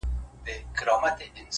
هره ورځ د نوې هیلې کړکۍ ده’